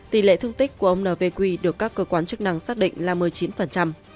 tỷ lệ thương tích của ông n v quy được các cơ quan chức năng xác định là một mươi chín